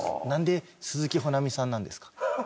なんで鈴木保奈美さんなんですか？